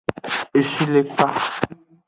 Eshilekpa.